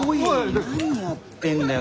何やってんだよ！